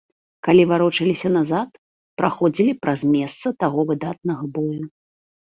Калі варочаліся назад, праходзілі праз месца таго выдатнага бою.